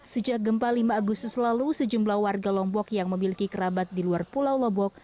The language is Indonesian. sejak gempa lima agustus lalu sejumlah warga lombok yang memiliki kerabat di luar pulau lombok